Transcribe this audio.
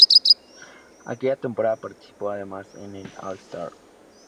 Aquella temporada participó además en el All Star.